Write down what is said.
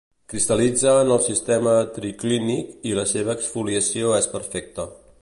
Cristal·litza en el sistema triclínic, i la seva exfoliació és perfecta.